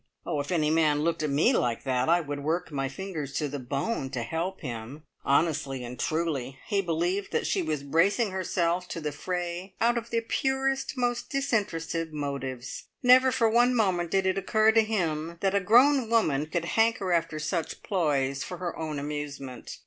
Oh, if any man looked at me like that, I would work my fingers to the bone to help him. Honestly and truly, he believed that she was bracing herself to the fray out of the purest, most disinterested motives. Never for one moment did it occur to him that a grown woman could hanker after such ploys for her own amusement.